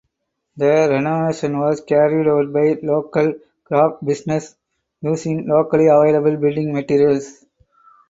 The renovation was carried out by local craft businesses using locally available building materials.